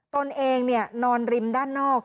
ตนเองนอนริมด้านนอก